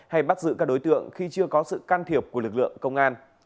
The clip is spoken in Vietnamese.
hay bắt giữ các đối tượng khi chưa có sự can thiệp của lực lượng công an